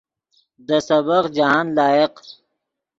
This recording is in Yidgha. دے سبق جاہند لائق